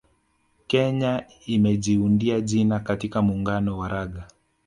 Kenya imejiundia jina katika muungano wa raga